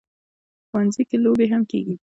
ښوونځی کې لوبې هم کېږي